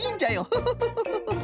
フフフフフ。